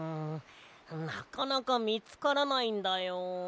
なかなかみつからないんだよ。